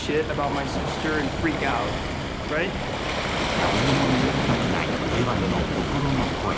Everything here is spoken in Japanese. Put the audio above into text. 誰にも見られたくないエヴァンの心の声。